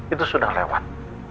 itu sudah lewat